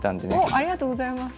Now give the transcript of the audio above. おっありがとうございます。